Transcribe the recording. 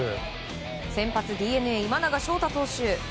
先発、ＤｅＮＡ今永昇太投手。